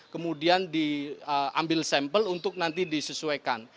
kemudian diambil sampel untuk nanti disesuaikan